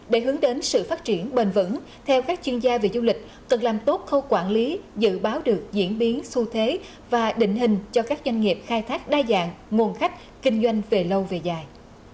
để hướng đến sự phát triển bền vững theo các chuyên gia về du lịch cần làm tốt khâu quản lý dự báo được diễn biến xu thế và định hình cho các doanh nghiệp khai thác đa dạng nguồn khách kinh doanh về lâu về dài